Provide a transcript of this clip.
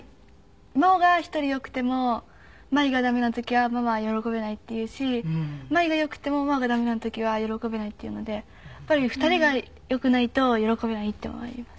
「真央が１人良くても舞が駄目な時はママは喜べない」って言うし「舞が良くても真央が駄目な時は喜べない」って言うのでやっぱり２人が良くないと喜べないって思います。